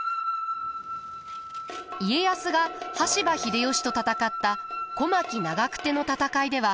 家康が羽柴秀吉と戦った小牧長久手の戦いでは。